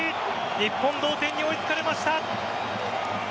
日本、同点に追いつかれました。